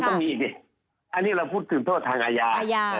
ก็มีอีกสิอันนี้เราพูดถึงโทษทางอาญา